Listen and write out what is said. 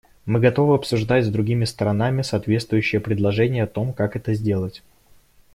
Мы готовы обсуждать с другими сторонами соответствующие предложения о том, как это сделать.